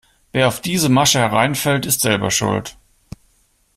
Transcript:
Wer auf diese Masche hereinfällt, ist selber schuld.